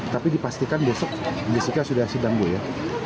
tapi dipastikan besok jessica sudah sidang bu ya